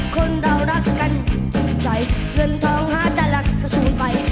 คนเรารักกันจูงใจเงินทองหาแต่หลักกระทรวงไป